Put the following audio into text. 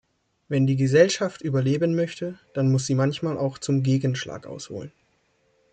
Wenn die Gesellschaft überleben möchte, dann muss sie manchmal auch zum Gegenschlag ausholen.